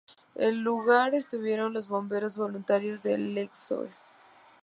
En el lugar, estuvieron los Bomberos Voluntarios de Leixões.